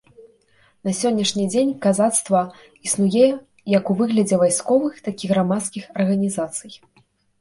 На сённяшні дзень казацтва існуе як у выглядзе вайсковых, так і грамадскіх арганізацый.